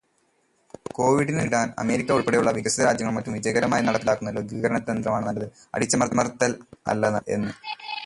കോവിഡിനെ നേരിടാൻ അമേരിക്ക ഉൾപ്പെടെയുള്ള വികസിതരാജ്യങ്ങൾ മറ്റും വിജയകരമായി നടപ്പിലാക്കുന്ന ലഘൂകരണതന്ത്രമാണ് നല്ലത്, അടിച്ചമര്ത്തല് അല്ല എന്ന്.